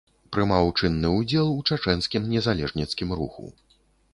Прымаў чынны ўдзел у чачэнскім незалежніцкім руху.